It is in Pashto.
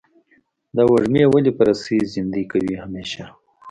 دا وږمې ولې په رسۍ زندۍ کوې همیشه؟